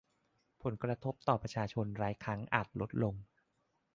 ผลกระทบต่อประชาชนรายครั้งอาจลดลง